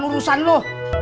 bukan urusan lu